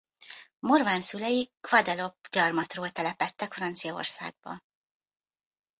Morvan szülei Guadeloupe gyarmatról telepedtek Franciaországba.